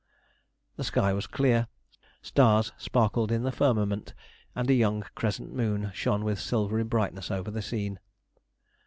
The sky was clear, stars sparkled in the firmament, and a young crescent moon shone with silvery brightness o'er the scene.